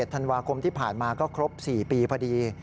ธันวาคมที่ผ่านมาก็ครบ๔ปีพอดี